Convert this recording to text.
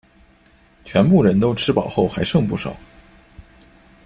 全部人都吃饱后还剩不少